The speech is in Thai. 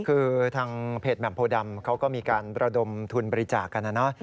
คือทางเพจแหม่มโพดำเขาก็มีการระดมทุนบริจาคกันนะเนาะ